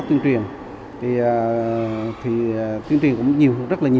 thì tuyên truyền cũng nhiều